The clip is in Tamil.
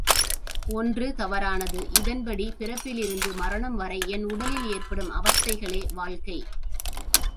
ஒன்று தவறானது இதன்படி பிறப்பிலிருந்து மரணம் வரை என் உடலில் ஏற்படும் அவஸ்தைகளே வாழ்க்கை.